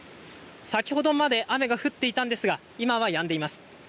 先ほどまで雨が降っていたんですが今は、やんでいます。